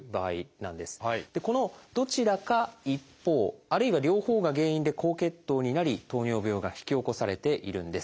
このどちらか一方あるいは両方が原因で高血糖になり糖尿病が引き起こされているんです。